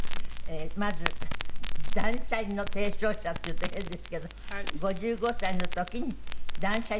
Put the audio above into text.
まず断捨離の提唱者っていうと変ですけど５５歳の時に断捨離の本を出版なすった？